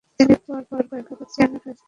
তিনি পরপর কয়েকবার চেয়ারম্যান হয়েছিলেন।